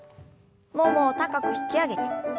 ももを高く引き上げて。